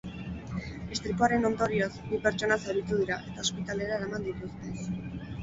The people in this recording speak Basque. Istripuaren ondorioz, bi pertsona zauritu dira eta ospitalera eraman dituzte.